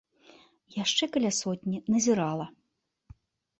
Яшчэ каля сотні назірала.